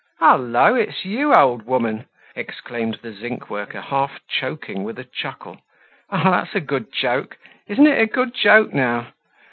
"Hullo! It's you, old woman!" exclaimed the zinc worker, half choking with a chuckle. "Ah! that's a good joke. Isn't it a good joke now?"